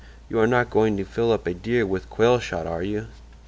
'You are not going to fill up a deer with quail shot, are you?